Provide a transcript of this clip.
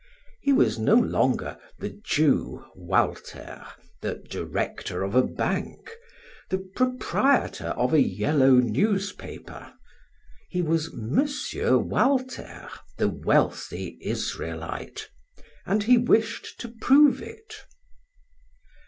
He was no longer the Jew, Walter, the director of a bank, the proprietor of a yellow newspaper; he was M. Walter the wealthy Israelite, and he wished to prove it.